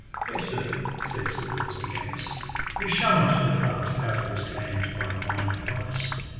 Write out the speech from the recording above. Fair sir, said Sir Bors de Ganis, ye shall not depart out of this land by mine advice.